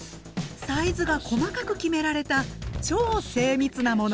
サイズが細かく決められた超精密なもの。